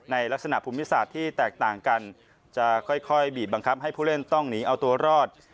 ในลักษณะภูมิศาสตร์ที่แตกต่างกันจะค่อยบีบบังคับให้ผู้เล่นต้องหนีเอาตัวรอด